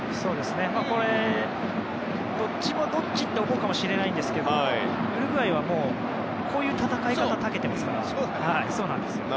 これ、どっちもどっちと思うかもしれないですけどウルグアイはもう、こういう戦い方に長けているので。